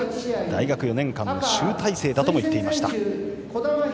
大学４年間の集大成だとも言っていました。